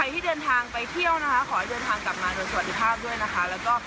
แล้วก็ฝากเป็นกำลังใจแล้วก็ติดตามผลงานของนักกีฬาไทยทุกคนด้วยนะคะ